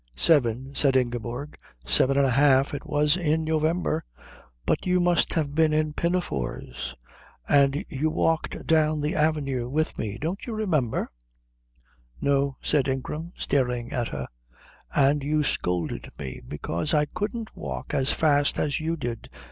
"Seven," said Ingeborg. "Seven and a half. It was in November." "But you must have been in pinafores." "And you walked down the avenue with me. Don't you remember?" "No," said Ingram, staring at her. "And you scolded me because I couldn't walk as fast as you did.